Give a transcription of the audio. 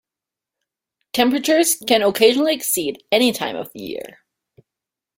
Temperatures can occasionally exceed anytime of the year.